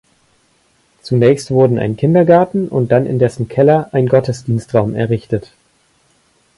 Zunächst wurden ein Kindergarten und dann in dessen Keller ein Gottesdienstraum errichtet.